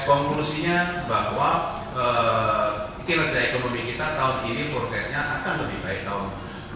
konklusinya bahwa kinerja ekonomi kita tahun ini protesnya akan lebih baik tahun dua ribu dua puluh